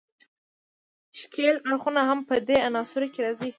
ښکیل اړخونه هم په دې عناصرو کې راځي.